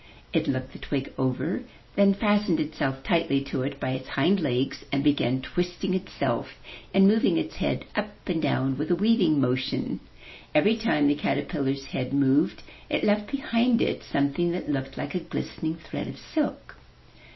It looked the twig over, then fastened itself tightly to it by its hind legs and began twisting itself and moving its head up and down with a weaving motion. Every time the caterpillar's head moved, it left behind it something that looked like a glistening thread of silk.